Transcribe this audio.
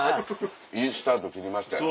いいスタート切りましたよ